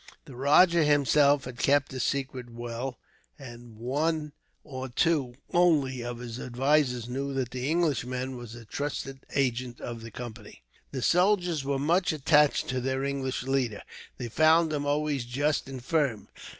The rajah himself had kept his secret well, and one or two, only, of his advisers knew that the Englishman was a trusted agent of the Company. The soldiers were much attached to their English leader. They found him always just and firm.